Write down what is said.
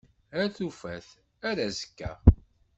Ar tufat. Ar azekka.